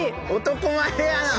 男前やな！